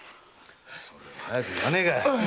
それを早く言わねえか。